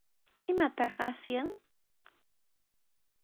¿Imataq asyan?